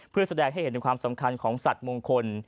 เพื่อแสดงให้เห็นถึงความสำคัญของสัตว์มงคล